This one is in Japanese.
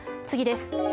次です。